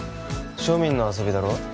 庶民の遊びだろ？